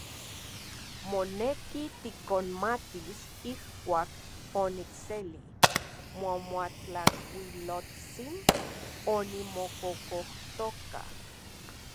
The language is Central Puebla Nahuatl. Moneki tikonmatis ijkuak onikseli moamatlajkuiloltsin onimokokojtoka.